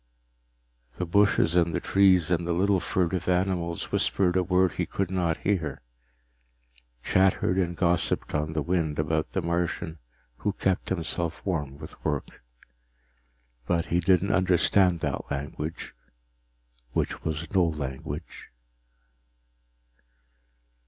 _The bushes and the trees and the little furtive animals whispered a word he could not hear, chattered and gossiped on the wind about the Martian who kept himself warm with work. But he didn't understand that language which was no language.